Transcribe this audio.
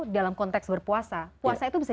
dalam konteks berpuasa puasa itu bisa